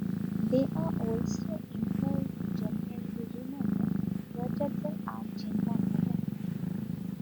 They are also employed to temporarily remove the vertebral arch in laminotomy.